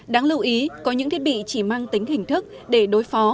đáng lưu ý có những thiết bị chỉ mang tính hình thức để đối phó